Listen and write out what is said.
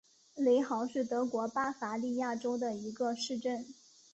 雷豪是德国巴伐利亚州的一个市镇。